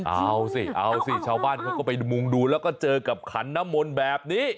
เอาสิเอาสิชาวบ้านเขาก็ไปมุงดูแล้วก็เจอกับขันน้ำมนต์แบบนี้